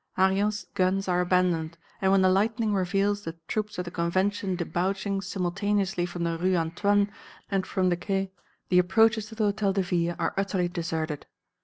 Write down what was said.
Hanriot's guns are abandoned, and when the lightning reveals the troops of the Convention debouching simultaneously from the Rue Antoine and from the Quai, the approaches to the Hôtel de Ville are utterly deserted.